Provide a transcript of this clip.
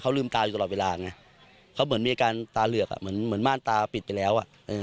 ลืมตาอยู่ตลอดเวลาไงเขาเหมือนมีอาการตาเหลือกอ่ะเหมือนม่านตาปิดไปแล้ว